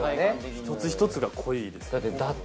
一つ一つが濃いです。